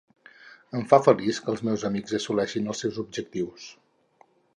Em fa feliç que els meus amics assoleixin els seus objectius.